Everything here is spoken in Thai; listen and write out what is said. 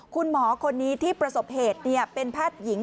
คุณหมอคนนี้ที่ประสบเหตุเป็นแพทย์หญิง